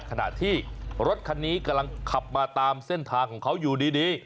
ขณะที่รถคันนี้กำลังขับมาตามเส้นทางของเขาอยู่ดี